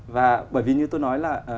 và bởi vì như tôi nói là